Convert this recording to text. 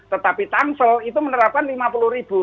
tetapi tangsel itu menerapkan lima puluh ribu